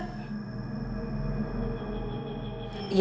jangan lupa subscribe channel ini ya